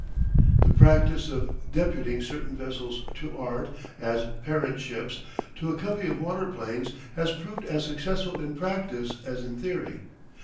The practice of deputing certain vessels to art as "parent ships" to a covey of waterplanes has proved as successful in practice, as in theory.